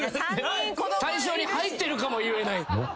対象に入ってるかも言えない。